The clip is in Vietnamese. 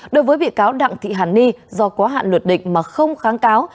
đối với bị cáo đặng thị hàn ni do quá hạn luật định mà không kháng cáo